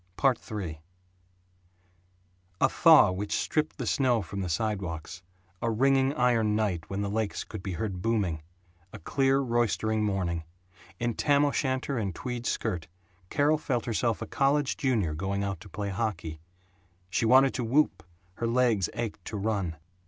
III A thaw which stripped the snow from the sidewalks; a ringing iron night when the lakes could be heard booming; a clear roistering morning. In tam o'shanter and tweed skirt Carol felt herself a college junior going out to play hockey. She wanted to whoop, her legs ached to run.